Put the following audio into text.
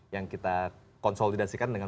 yang kita konsolidasikan dengan